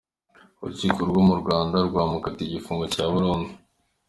Urukiko rwo mu Rwanda rwamukatiye igifungo cya burundu.